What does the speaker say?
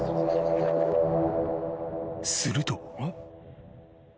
［すると］